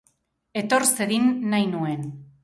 Etor zedin nahi nuen.